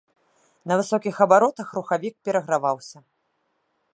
На высокіх абаротах рухавік пераграваўся.